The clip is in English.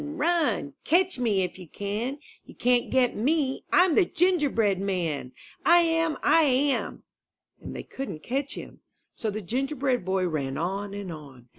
Run! Catch me if you can! You can't get me! Fm the Gingerbread Man, I am! I am!*' And they couldn't catch him. So the Gingerbread Boy ran on and on.